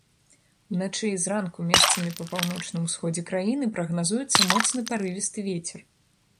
Уначы і зранку месцамі па паўночным усходзе краіны прагназуецца моцны парывісты вецер.